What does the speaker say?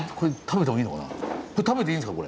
これ食べていいんですか？